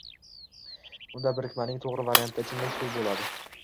Unda birikmaning toʻgʻri varianti ichimlik suv boʻladi